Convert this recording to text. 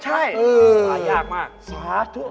ใช่หายากมากสาธุ